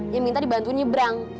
yang minta dibantu nyebrang